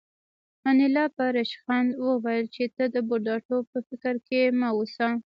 انیلا په ریشخند وویل چې ته د بوډاتوب په فکر کې مه اوسه